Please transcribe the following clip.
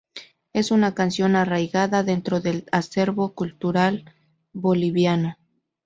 Es una canción arraigada dentro del acervo cultural boliviano.